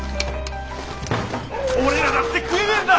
俺らだって食えねえんだ！